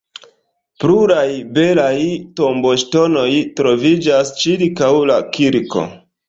Pluraj belaj tomboŝtonoj troviĝas ĉirkaŭ la kirko.